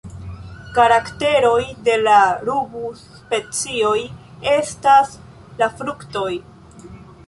Karakteroj de la rubus-specioj estas la fruktoj.